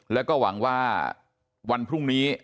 แล้วก็หวังว่าวันพรุ่งนี้